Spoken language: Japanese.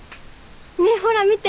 ねえほら見て。